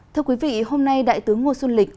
thưa quý vị hôm nay đại tướng ngô xuân lịch